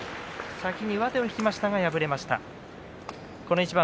先に上手を引きましたが敗れました。